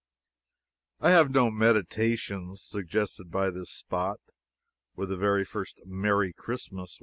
I have no "meditations," suggested by this spot where the very first "Merry Christmas!"